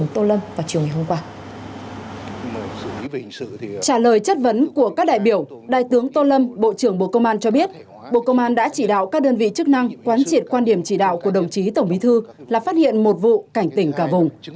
trả lời chất vấn của các đại biểu đại tướng tô lâm bộ trưởng bộ công an cho biết bộ công an đã chỉ đạo các đơn vị chức năng quán triệt quan điểm chỉ đạo của đồng chí tổng bí thư là phát hiện một vụ cảnh tỉnh cả vùng